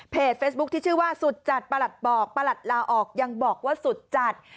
เฟซบุ๊คที่ชื่อว่าสุดจัดประหลัดบอกประหลัดลาออกยังบอกว่าสุดจัด